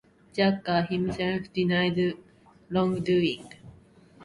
Juncker himself denied wrongdoing.